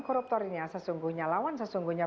koruptornya sesungguhnya lawan sesungguhnya